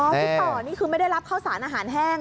ฟิตต่อนี่คือไม่ได้รับข้าวสารอาหารแห้ง